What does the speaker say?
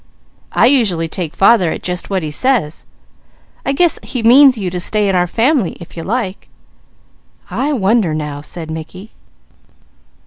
"I usually take father at just what he says. I guess he means you to stay in our family, if you like." "I wonder now!" said Mickey.